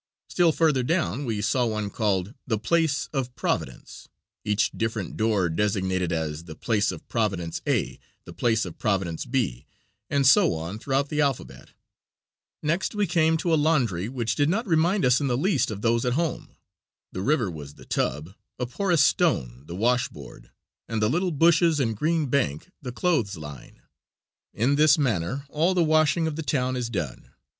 Still further down we saw one called "The place of Providence," each different door designated as "The place of Providence A, the place of Providence B," and so on throughout the alphabet. Next we came to a laundry which did not remind us in the least of those at home. The river was the tub, a porous stone the washboard, and the little bushes and green bank the clothesline. In this manner all the washing of the town is done.